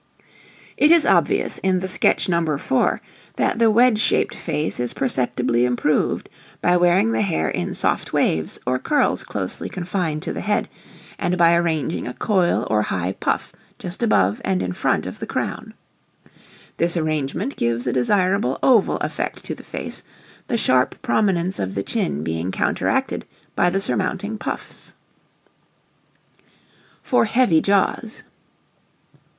It is obvious in the sketch No. 4, that the wedge shaped face is perceptibly improved by wearing the hair in soft waves, or curls closely confined to the head and by arranging a coil or high puff just above and in front of the crown. This arrangement gives a desirable oval effect to the face, the sharp prominence of the chin being counteracted by the surmounting puffs. For Heavy Jaws.